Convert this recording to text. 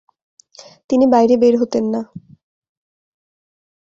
তিনি বাইরে বের হতেন না।